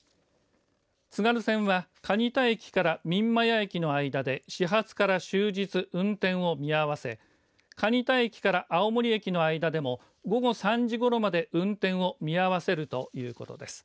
津軽線は蟹田駅から三厩駅の間で始発から終日運転を見合わせ蟹田駅から青森駅の間でも午後３時ごろまで運転を見合わせるということです。